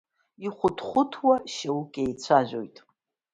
Ихәыҭхәыҭуа шьоукы еицәажәоит.